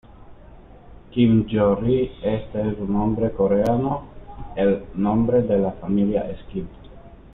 Kim Joo-ri, este es un nombre coreano, el nombre de la familia es Kim.